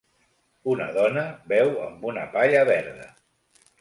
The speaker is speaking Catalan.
Una dona beu amb una palla verda.